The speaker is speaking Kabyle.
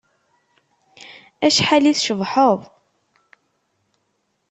Acḥal i tcebḥeḍ.